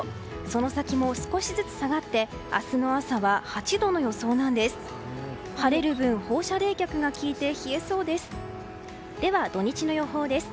その先も少しずつ下がって明日の朝は８度の予想です。